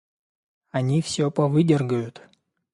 Они всё повыдергают.